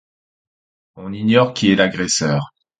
On ignore qui est l'agresseur.